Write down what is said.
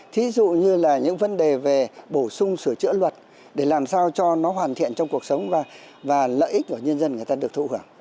thí dụ như là những vấn đề về bổ sung sửa chữa luật để làm sao cho nó hoàn thiện trong cuộc sống và lợi ích của nhân dân người ta được thụ hưởng